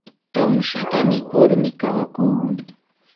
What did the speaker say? tumshuta mikurmi kawakuu.